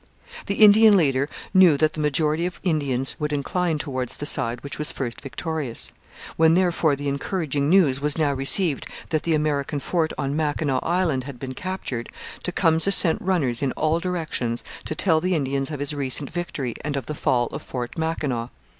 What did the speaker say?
The Indian leader knew that the majority of Indians would incline towards the side which was first victorious. When, therefore, the encouraging news was now received that the American fort on Mackinaw Island had been captured, Tecumseh sent runners in all directions to tell the Indians of his recent victory and of the fall of Fort Mackinaw.